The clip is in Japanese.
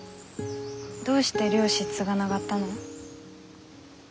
どうして漁師継がながったの？